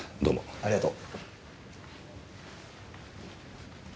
ありがとう。